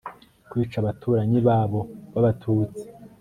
kwica abaturanyi babo b Abatutsi